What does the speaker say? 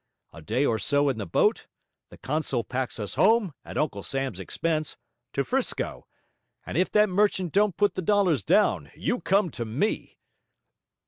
A day or so in the boat; the consul packs us home, at Uncle Sam's expense, to 'Frisco; and if that merchant don't put the dollars down, you come to me!'